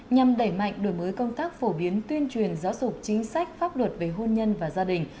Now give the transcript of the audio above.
nhằm đẩy mạnh đổi mới công tác phổ biến tuyên truyền giáo dục chính sách pháp luật về hôn nhân và gia đình